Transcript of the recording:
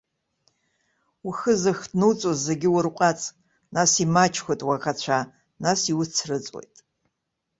Ухы зыхҭнуҵо зегьы урҟәаҵ, нас имаҷхоит уаӷацәа, нас иуцрыҵуеит.